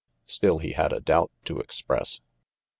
Still, he had a doubt to express.